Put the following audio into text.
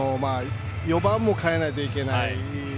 ４番も代えないといけない。